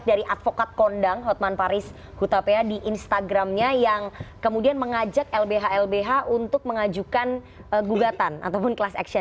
halo hotman baru landing dari bali